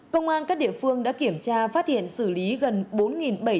công an các địa phương đã kiểm tra phát hiện xử lý gần bốn